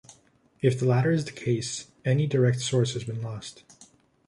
If the latter is the case, any direct source has been lost.